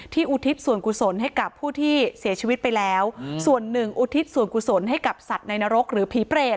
อุทิศส่วนกุศลให้กับผู้ที่เสียชีวิตไปแล้วส่วนหนึ่งอุทิศส่วนกุศลให้กับสัตว์ในนรกหรือผีเปรต